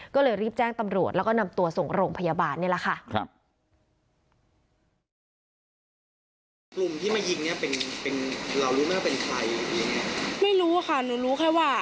ก็เลยรีบแจ้งตำรวจแล้วก็นำตัวส่งโรงพยาบาลนี่แหละค่ะ